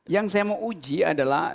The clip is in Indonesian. yang saya mau uji adalah